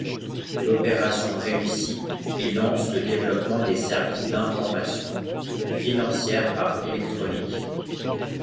L'opération réussit et lance le développement des services d'information financière par électronique.